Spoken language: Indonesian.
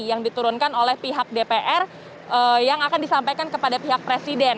yang diturunkan oleh pihak dpr yang akan disampaikan kepada pihak presiden